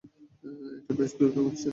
এটা বেশ দ্রুত ঘটছে!